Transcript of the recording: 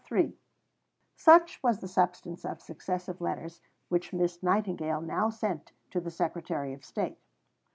III Such was the substance of successive letters which Miss Nightingale now sent to the Secretary of State.